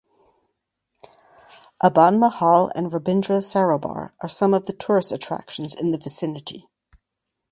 Aban Mahal and Rabindra Sarobar are some of the tourist attractions in the vicinity.